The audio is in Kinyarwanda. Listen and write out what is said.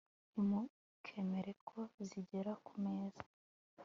Ntimukemere ko Zigera ku Meza